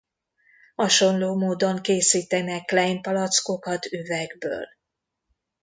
Hasonló módon készítenek Klein-palackokat üvegből.